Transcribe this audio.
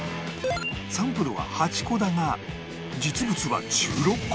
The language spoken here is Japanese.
サンプルは８個だが実物は１６個！